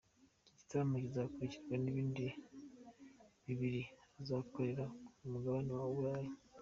Iki gitaramo kizakurikirwa n’ibindi bibiri azakora ku Mugabane w’u Burayi.